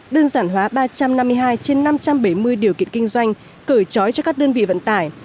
đơn giản hóa ba trăm năm mươi hai trên năm trăm bảy mươi điều kiện kinh doanh cởi trói cho các đơn vị vận tải